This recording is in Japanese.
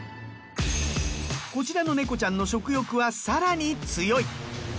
こちらの猫ちゃんの食欲はさらに強い。